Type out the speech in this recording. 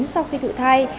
sau khi thụ thai